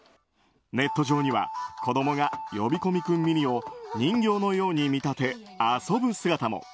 ネット上には子供が呼び込み君ミニを人形のように見立て遊ぶ姿も。